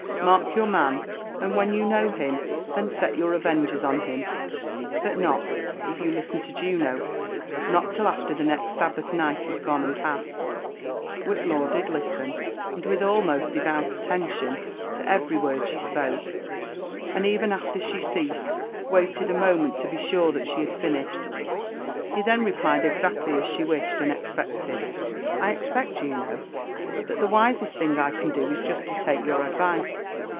Mark your man, and when you know him, then set your avengers on him ;— but not, if you listen (0 Juno, not till after tho n&xi Sabbath night is. gone and past." Whitlaw did listen, and with almost devout allentipA,. to every word she spoke; and even after slie ceased, wailed a moment to be sure that she had finished. He then replied exactly as sba wished and expected. " I expect, Juno, that the wisest thing I can d^ is jesi tp take yout advice.